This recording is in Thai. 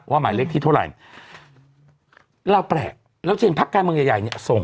หมายเลขที่เท่าไหร่เราแปลกเราจะเห็นพักการเมืองใหญ่ใหญ่เนี่ยส่ง